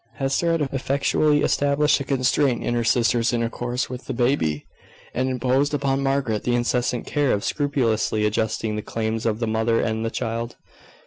Hester had effectually established a constraint in her sister's intercourse with the baby, and imposed upon Margaret the incessant care of scrupulously adjusting the claims of the mother and the child.